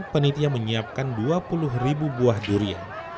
penitia menyiapkan dua puluh ribu buah durian